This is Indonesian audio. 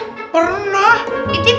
eh emang pernah nonton sinetronnya